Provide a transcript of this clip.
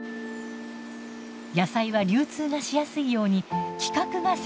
野菜は流通がしやすいように「規格」が設定されています。